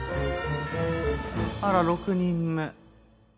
あら６人目。